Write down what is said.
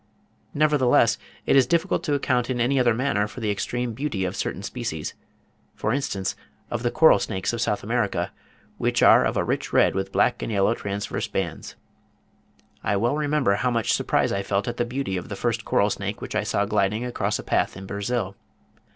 Nevertheless, it is difficult to account in any other manner for the extreme beauty of certain species; for instance, of the coral snakes of S. America, which are of a rich red with black and yellow transverse bands. I well remember how much surprise I felt at the beauty of the first coral snake which I saw gliding across a path in Brazil.